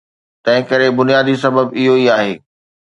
تنهنڪري بنيادي سبب اهو ئي آهي.